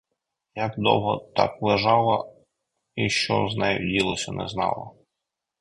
Як довго так лежала і що з нею діялося — не знала.